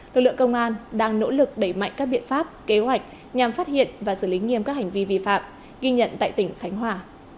lực lượng công an đang nỗ lực đẩy mạnh các biện pháp kế hoạch nhằm phát hiện và xử lý nghiêm các hành vi vi phạm ghi nhận tại tỉnh khánh hòa